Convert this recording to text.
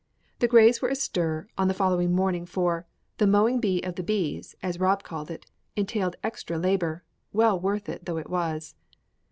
The Greys were early astir on the following morning, for "the mowing bee of the B's," as Rob called it, entailed extra labor, well worth it though it was.